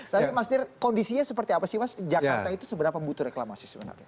tapi mas nir kondisinya seperti apa sih mas jakarta itu seberapa butuh reklamasi sebenarnya